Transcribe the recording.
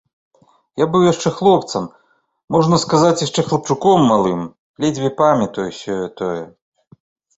Я быў яшчэ хлопцам, можна сказаць, яшчэ хлапчуком малым, ледзьве памятаю сёе-тое.